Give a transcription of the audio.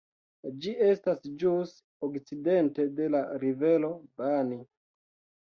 Ĝi estas ĵus okcidente de la Rivero Bani.